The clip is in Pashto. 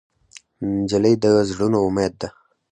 نجلۍ د زړونو امید ده.